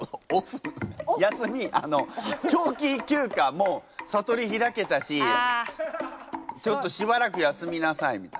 もう悟り開けたしちょっとしばらく休みなさいみたいな。